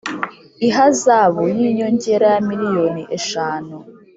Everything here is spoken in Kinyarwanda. ihazabu y’ inyongera ya miliyoni eshanu